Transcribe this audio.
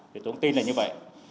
thì tôi cũng tin là như vậy